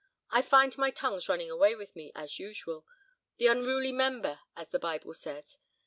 I find my tongue's running away with me, as usual—the unruly member, as the Bible says.